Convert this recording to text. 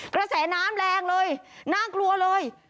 กระแสน้ำแรงเลยน่ากลัวเลย